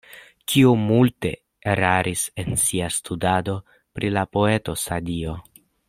Kiu multe eraris en sia studado pri la poeto Sadio.